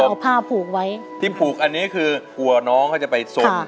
เอาผ้าผูกไว้ที่ผูกอันนี้คือกลัวน้องเขาจะไปสน